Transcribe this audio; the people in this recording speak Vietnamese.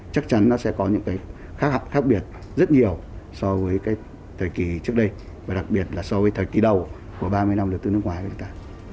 chắc chắn nó sẽ có những khác biệt rất nhiều so với thời kỳ trước đây và đặc biệt là so với thời kỳ đầu của ba mươi năm đầu tư nước ngoài của chúng ta